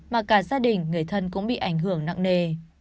mà cả gia đình người thân cũng bị ảnh hưởng nặng nề